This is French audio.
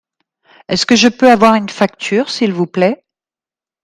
Est-ce que je peux avoir une facture s’il vous plait ?